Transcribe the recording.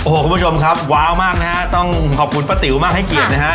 คุณผู้ชมครับว้าวมากนะฮะต้องขอบคุณป้าติ๋วมากให้เกียรตินะฮะ